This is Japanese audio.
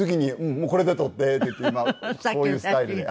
もうこれで撮って」って言って今こういうスタイルで。